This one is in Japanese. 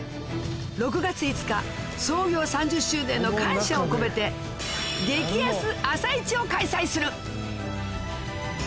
６月５日創業３０周年の感謝を込めてを開催する！